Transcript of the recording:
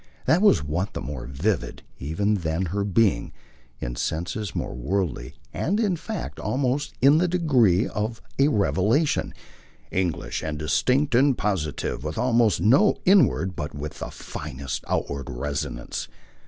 That was what was more vivid even than her being in senses more worldly and in fact almost in the degree of a revelation English and distinct and positive, with almost no inward but with the finest outward resonance.